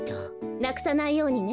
なくさないようにね。